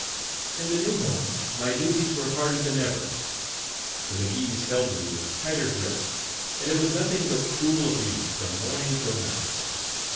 In the new home my duties were harder than ever. The McGees held me with tighter grip, and it was nothing but cruel abuse, from morning till night.